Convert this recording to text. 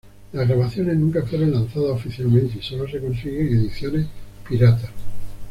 Las grabaciones nunca fueron lanzadas oficialmente y sólo se consiguen ediciones piratas.